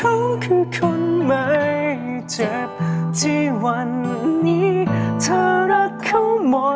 เพลงนี้ใครแต่งนะบอกมือกิต้าแต่งไว้